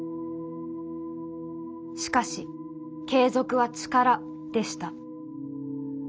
「しかし『継続は力』でした。